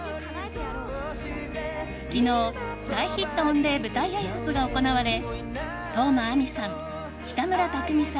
昨日、大ヒット御礼舞台あいさつが行われ當真あみさん、北村匠海さん